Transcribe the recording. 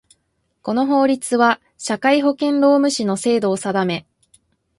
この法律は、社会保険労務士の制度を定め